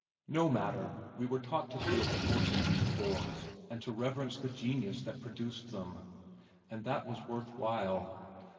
No matter, we were taught to feel the force of these poems and to reverence the genius that produced them, and that was worth while.